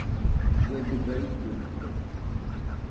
Kue dɨga ikɨrite